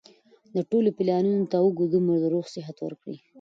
د ټولو پلانونو ته اوږد عمر د روغ صحت ورکړي